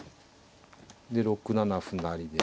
で６七歩成で。